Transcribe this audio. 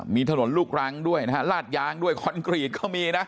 มีถนนลูกรังด้วยนะฮะลาดยางด้วยคอนกรีตก็มีนะ